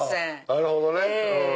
なるほどね。